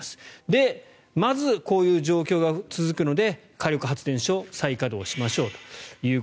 で、まずこういう状況が続くので火力発電所再稼働しましょうと。